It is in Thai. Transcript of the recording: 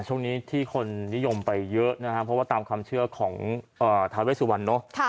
ช่วงนี้ที่คนนิยมไปเยอะนะครับเพราะว่าตามความเชื่อของทาเวสุวรรณเนอะ